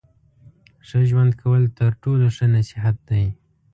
ښه ژوند کول تر ټولو ښه نصیحت دی.